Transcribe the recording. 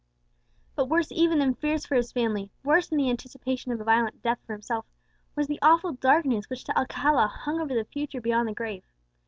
But worse even than fears for his family, worse than the anticipation of a violent death for himself, was the awful darkness which to Alcala hung over the future beyond the grave!